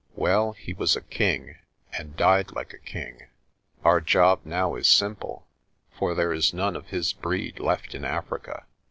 "Well, he was a king, and died like a king. Our job now is simple, for there is none of his breed left in Africa."